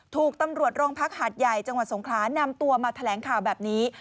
ถูกตำรวจโรงพักหาดใหญ่จังหวัดสงขลานำตัวมาแถลงข่าวแบบนี้